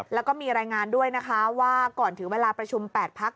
แล้วก็มีรายงานด้วยนะคะว่าก่อนถึงเวลาประชุม๘พัก